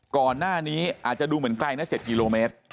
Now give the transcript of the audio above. ก่อนหน้านี้อาจจะดูเหมือนไกลนะ๗กิโลเมตร